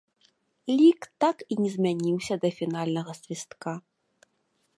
Лік так і не змяніўся да фінальнага свістка.